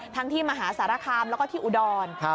ที่มหาสารคามแล้วก็ที่อุดร